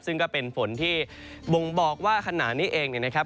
ซึ่งก็เป็นฝนที่บ่งบอกว่าขณะนี้เองเนี่ยนะครับ